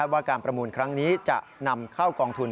ว่าการประมูลครั้งนี้จะนำเข้ากองทุน